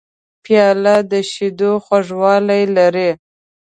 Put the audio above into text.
پیاله د شیدو خوږوالی لري.